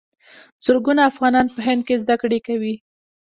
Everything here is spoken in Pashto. زرګونه افغانان په هند کې زده کړې کوي.